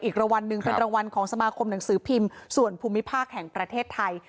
รางวัลหนึ่งเป็นรางวัลของสมาคมหนังสือพิมพ์ส่วนภูมิภาคแห่งประเทศไทย